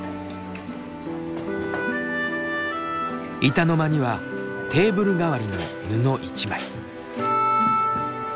板の間にはテーブル代わりの布一枚。